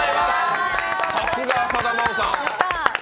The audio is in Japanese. さすが浅田真央さん。